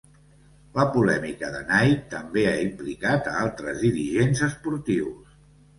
La polèmica de Nike també ha implicat a altres dirigents esportius.